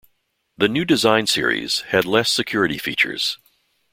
The New Design Series had less security features.